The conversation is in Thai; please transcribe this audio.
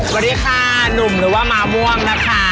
สวัสดีค่ะหนุ่มหรือว่าม้าม่วงนะคะ